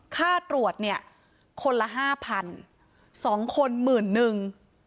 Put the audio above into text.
ค่าตรวจคนละ๕๐๐๐๒คนมือนนึง